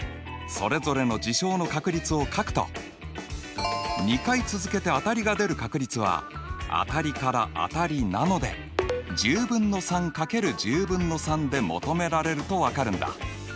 それぞれの事象の確率を書くと２回続けて当たりが出る確率は当たりから当たりなので１０分の３×１０分の３で求められると分かるんだ。